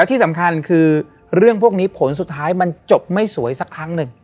ที่สำคัญคือเรื่องพวกนี้ผลสุดท้ายมันจบไม่สวยสักครั้งหนึ่ง